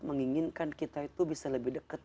menginginkan kita itu bisa lebih dekat